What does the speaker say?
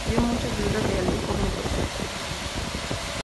Recibió mucha ayuda de Alejo, metropolitano de Moscú.